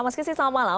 mas kesit selamat malam